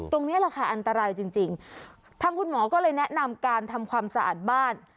ตรงนี้แหละค่ะอันตรายจริงจริงทางคุณหมอก็เลยแนะนำการทำความสะอาดบ้าน